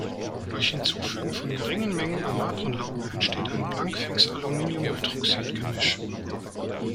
Durch Hinzufügen von geringen Mengen an Natronlauge entsteht ein Blankfix-Aluminiumhydroxid-Gemisch.